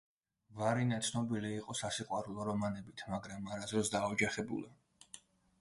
ვარინა ცნობილი იყო სასიყვარულო რომანებით, მაგრამ არასოდეს დაოჯახებულა.